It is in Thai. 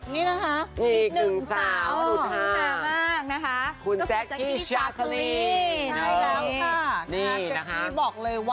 ไม่เชื่อไปฟังกันหน่อยค่ะ